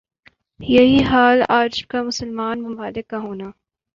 یہی حال آج کا مسلمان ممالک کا ہونا